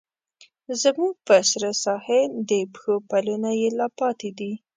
زموږ په سره ساحل، د پښو پلونه یې لا پاتې دي